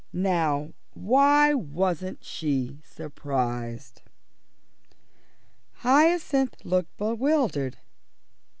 Now, why wasn't she surprised?" Hyacinth looked bewildered.